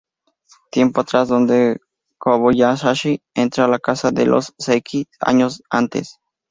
Tiempo atrás donde Kobayashi entra a la casa de los Saeki, años antes.